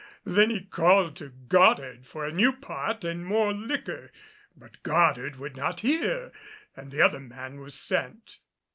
Then he called to Goddard for a new pot and more liquor. But Goddard would not hear, and the other man was sent.